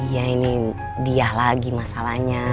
ya ini dia lagi masalahnya